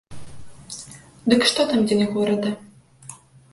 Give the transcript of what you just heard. Дык што там дзень горада.